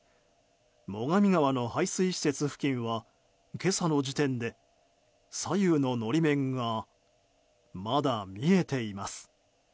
最上川の排水施設付近は今朝の時点で左右の法面がまだ見えています。